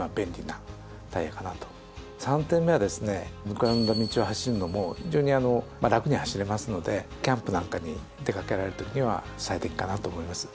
ぬかるんだ道を走るのも非常に楽に走れますのでキャンプなんかに出掛けられるときには最適かなと思います。